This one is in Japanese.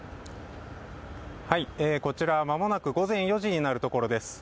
こちらは間もなく午前４時になるところです。